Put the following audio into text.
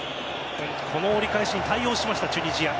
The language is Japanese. この折り返しに対応しましたチュニジア。